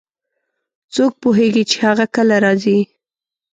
څوک پوهیږي چې هغه کله راځي